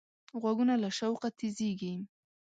غوږونه له شوقه تیزېږي